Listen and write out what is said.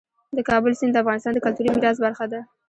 د کابل سیند د افغانستان د کلتوري میراث برخه ده.